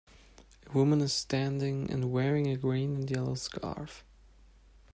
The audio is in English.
A woman is standing and wearing a green and yellow scarf.